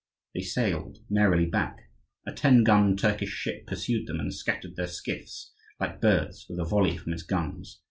They sailed merrily back. A ten gun Turkish ship pursued them and scattered their skiffs, like birds, with a volley from its guns.